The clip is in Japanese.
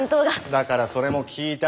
だからそれも聞いた。